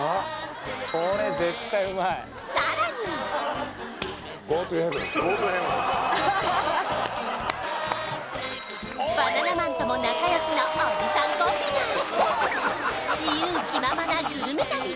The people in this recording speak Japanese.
さらにバナナマンとも仲良しのおじさんコンビが自由気ままなグルメ旅